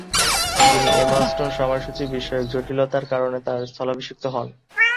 তিনি এমা স্টোনের সময়সূচি বিষয়ক জটিলতার কারণে তার স্থলাভিষিক্ত হন।